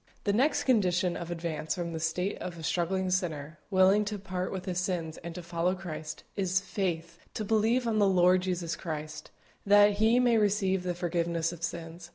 The next condition of advance from the state of a struggling sinner, willing to part with his sins and to follow Christ, is faith, to believe on the Lord Jesus Christ, that he may receive the forgiveness of sins.